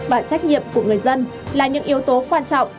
và trách nhiệm của người dân là những yếu tố quan trọng